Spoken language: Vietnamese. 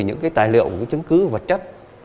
những tài liệu chứng cứ vật chất